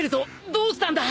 どうしたんだ？